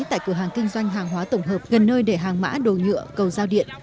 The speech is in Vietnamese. tại cửa hàng kinh doanh hàng hóa tổng hợp gần nơi để hàng mã đồ nhựa cầu giao điện